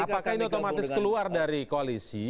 apakah ini otomatis keluar dari koalisi